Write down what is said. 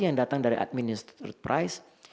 yang datang dari administer price